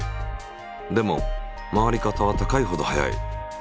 でも回り方は高いほど速い。